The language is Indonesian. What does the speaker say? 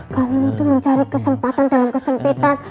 kami itu mencari kesempatan dalam kesempitan